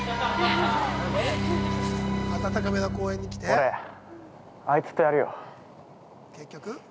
◆俺、あいつとやるよ。